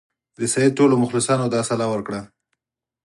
د سید ټولو مخلصانو دا سلا ورکړه.